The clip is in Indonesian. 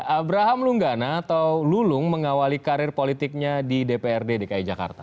abraham lunggana atau lulung mengawali karir politiknya di dprd dki jakarta